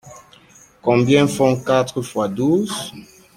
Combien font quatre fois douze?